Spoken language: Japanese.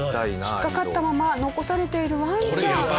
引っかかったまま残されているワンちゃん。